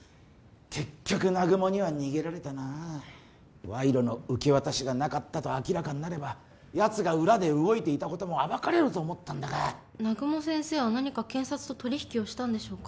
結局南雲には逃げられたなあ賄賂の受け渡しがなかったと明らかになれば奴が裏で動いていたことも暴かれると思ったんだが南雲先生は何か検察と取り引きをしたんでしょうか？